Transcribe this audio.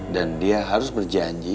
dan dia harus berjanji